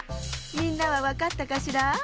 みんなはわかったかしら？